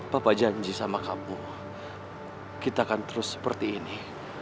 papa janji sama kamu kita akan terus seperti ini